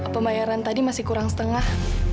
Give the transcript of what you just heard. pembayaran tadi masih kurang setengah